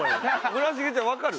村重ちゃんわかる？